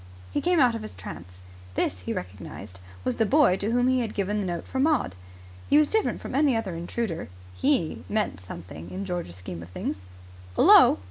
He came out of his trance. This, he recognized, was the boy to whom he had given the note for Maud. He was different from any other intruder. He meant something in George's scheme of things. "'Ullo!"